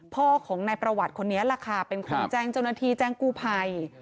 พ่อของนายประวัติคนนี้แหละค่ะเป็นคนแจ้งเจ้าหน้าที่แจ้งกู้ภัย